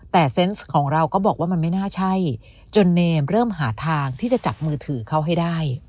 แต่เซนต์ของเราก็บอกว่ามันไม่น่าใช่จนเนมเริ่มหาทางที่จะจับมือถือเขาให้ได้